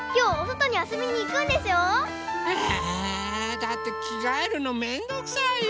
だってきがえるのめんどくさいよ。